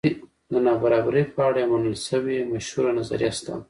د نابرابرۍ په اړه یوه منل شوې مشهوره نظریه شته.